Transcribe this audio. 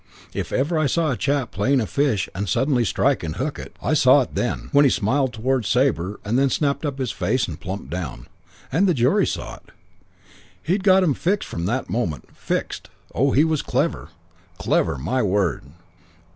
If ever I saw a chap playing a fish and suddenly strike and hook it, I saw it then, when he smiled towards Sabre and then snapped up his face and plumped down. And the jury saw it. He'd got 'em fixed from that moment. Fixed. Oh, he was clever clever, my word!